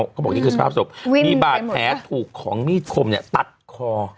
เขาบอกนี่คือสภาพศพมีบาดแผลถูกของมีดคมเนี่ยตัดคอ